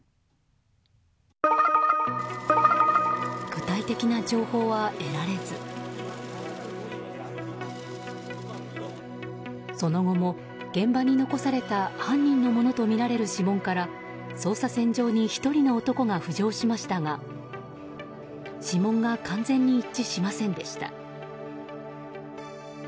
具体的な情報は得られずその後も、現場に残された犯人のものとみられる指紋から捜査線上に１人の男が浮上しましたが指紋が完全に一致しませんでした。